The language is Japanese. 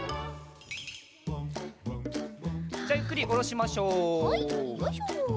じゃあゆっくりおろしましょう。